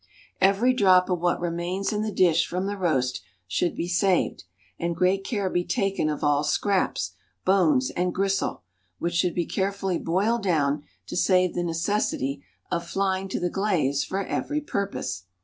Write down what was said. Every drop of what remains in the dish from the roast should be saved, and great care be taken of all scraps, bones, and gristle, which should be carefully boiled down to save the necessity of flying to the glaze for every purpose.